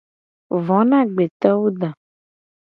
Vo na agbeto wu da.